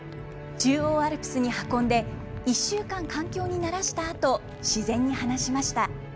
中央アルプスに運んで、１週間環境に慣らしたあと、自然に放しました。